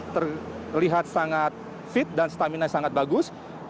terlihat sangat fit dan stamina sangat bagus